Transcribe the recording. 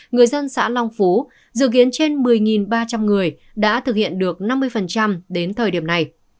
người dân xã long phú dự kiến trên một mươi ba trăm linh người đã thực hiện được năm mươi đến thời điểm này